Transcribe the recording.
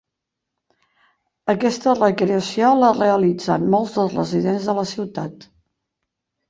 Aquesta recreació la realitzen molts dels residents de la ciutat.